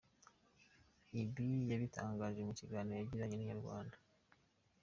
Ibi yabitangaje mu kiganiro yagiranye na inyarwanda.